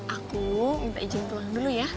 aku minta izin dulu ya